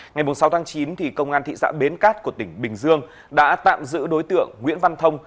ngày sáu chín công an thị xã bến cát của tỉnh bình dương đã tạm giữ đối tượng nguyễn văn thông